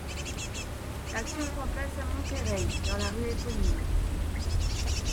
L'action prend place à Monterey, dans la rue éponyme.